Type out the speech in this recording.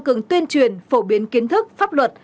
cường tuyên truyền phổ biến kiến thức pháp luật